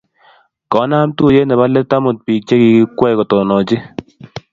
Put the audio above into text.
koonam tuyie nebo let amut biik che kikwei kotononchi.